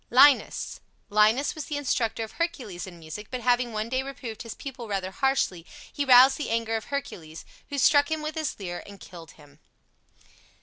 LINUS Linus was the instructor of Hercules in music, but having one day reproved his pupil rather harshly, he roused the anger of Hercules, who struck him with his lyre and killed him.